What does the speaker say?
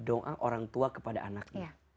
doa orang tua kepada anaknya